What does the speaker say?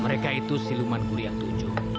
mereka itu siluman guliang tujuh